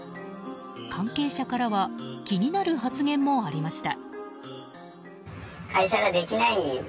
関係者からは気になる発言もありました。